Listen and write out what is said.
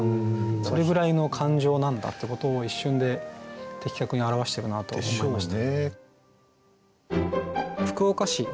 それぐらいの感情なんだってことを一瞬で的確に表してるなと思いました。